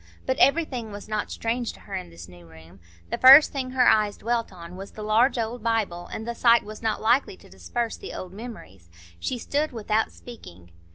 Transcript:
But everything was not strange to her in this new room; the first thing her eyes dwelt on was the large old Bible, and the sight was not likely to disperse the old memories. She stood without speaking.